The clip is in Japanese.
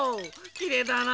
きれいだな。